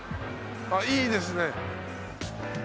あっいいですね。